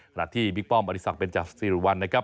ขณะที่บิ๊กป้อมอธิสักเป็นจากซีรีส์วันนะครับ